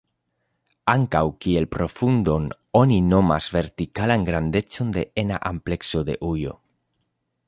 Ankaŭ kiel profundon oni nomas vertikalan grandecon de ena amplekso de ujo.